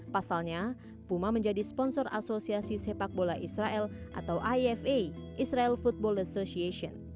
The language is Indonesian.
pasalnya puma menjadi sponsor asosiasi sepak bola israel atau ifa